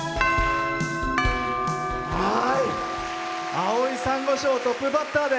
「青い珊瑚礁」トップバッターで。